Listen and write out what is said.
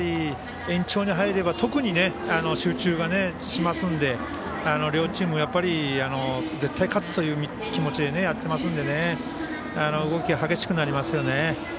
延長に入れば特に集中しますので両チーム、やっぱり絶対勝つという気持ちでやっていますので動きが激しくなりますよね。